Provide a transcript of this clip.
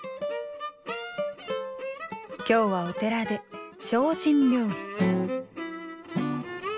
今日はお寺で精進料理。